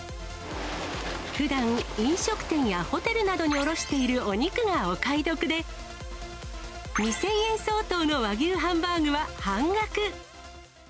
ふだん飲食店やホテルなどに卸しているお肉がお買い得で、２０００円相当の和牛ハンバーグは半額。